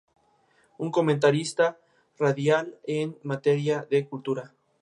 Durante la revolución de las Comunidades, Laso fue uno de los líderes.